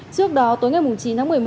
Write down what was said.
trước đó tối ngày chín tháng một mươi năm